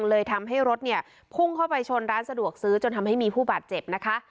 เลยทำให้รถเนี่ยพุ่งเข้าไปชนร้านสะดวกซื้อจนทำให้มีผู้บาดเจ็บนะคะ